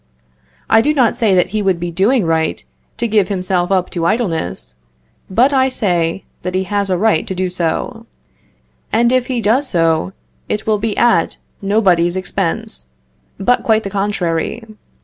I do not say that he would be doing right to give himself up to idleness but I say, that he has a right to do so; and if he does so, it will be at nobody's expense, but quite the contrary.